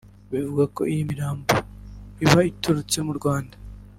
bivugwa ko iyo mirambo iba iturutse mu Rwanda